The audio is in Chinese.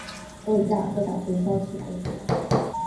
受加尔各答总教区管辖。